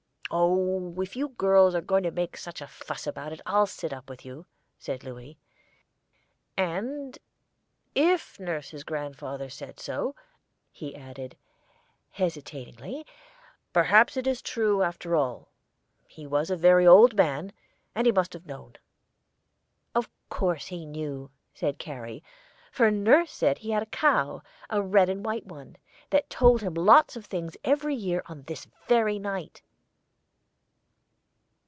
"Oh, if you girls are going to make such a fuss about it, I'll sit up with you," said Louis; "and if nurse's grandfather said so," he added, hesitatingly, "perhaps it is true, after all. He was a very old man, and he must have known." "Of course he knew," said Carrie, "for nurse said he had a cow, a red and white one, that told him lots of things every year on this very night."